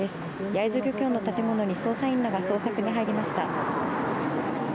焼津漁協の建物に捜査員らが捜索に入りました。